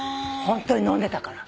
ホントに飲んでたから。